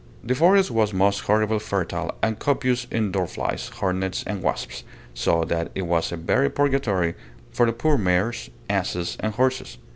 This forest was most horribly fertile and copious in dorflies, hornets, and wasps, so that it was a very purgatory for the poor mares, asses, and horses.